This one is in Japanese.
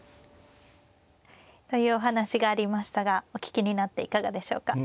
というお話がありましたがお聞きになっていかがでしょうか。